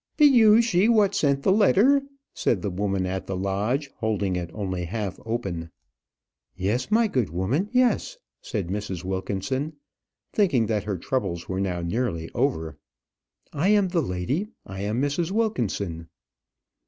"Be you she what sent the letter?" said the woman at the lodge, holding it only half open. "Yes, my good woman; yes," said Mrs. Wilkinson, thinking that her troubles were now nearly over. "I am the lady; I am Mrs. Wilkinson."